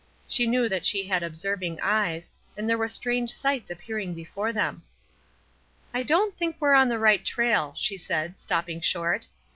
She knew that she had observing eyes, and there were strange sights appearing before them. "I don't think we are on the right trail," she said, stopping short.